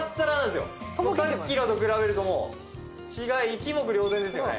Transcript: さっきのと比べるともう違い一目瞭然ですよね。